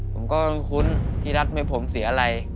ผมก็คุ้นที่รัฐไม่ผมเสียอะไร